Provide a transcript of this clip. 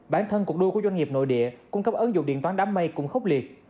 bản thân cuộc đua của doanh nghiệp nội địa cung cấp ứng dụng điện toán đám mây cũng khốc liệt